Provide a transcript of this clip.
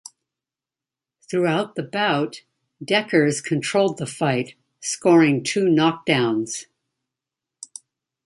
Throughout the bout, Dekkers controlled the fight, scoring two knockdowns.